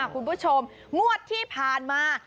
คุณผู้ชมงวดที่ผ่านมา